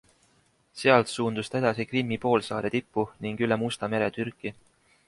Sealt suundus ta edasi Krimmi poolsaare tippu ning üle Musta mere Türki.